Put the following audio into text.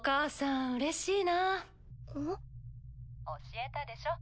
教えたでしょ